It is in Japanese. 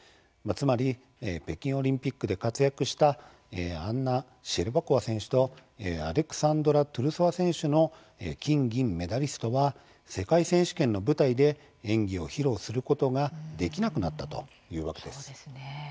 つまり北京オリンピックで活躍したアンナ・シェルバコワ選手とアレクサンドラ・トゥルソワ選手の金・銀メダリストは世界選手権の舞台で演技を披露することができなくなったというわけです。